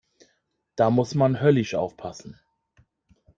Da muss man höllisch aufpassen.